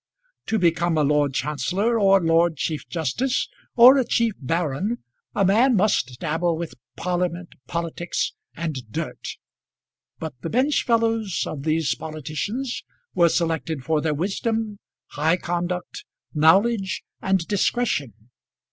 To become a Lord Chancellor, or a Lord Chief Justice, or a Chief Baron, a man must dabble with Parliament, politics, and dirt; but the bench fellows of these politicians were selected for their wisdom, high conduct, knowledge, and discretion.